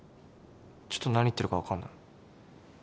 ちょっと何言ってるか分かんない